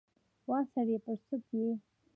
وا سړیه پر سد یې ؟